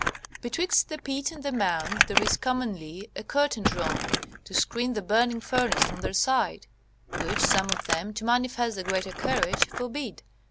Betwixt the pit and the mount there is commonly a curtain drawn to screen the burning furnace from their sight, which some of them, to manifest the greater courage, forbid.